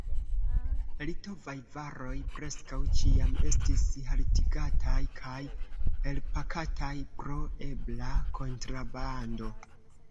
Litovaj varoj preskaŭ ĉiam estis haltigataj kaj elpakataj pro ebla kontrabando.